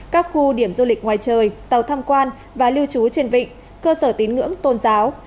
các khu điểm du lịch ngoài trời tàu thăm quan và lưu trú trên vịnh cơ sở tín ngưỡng tôn giáo